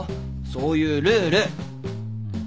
そういうルール。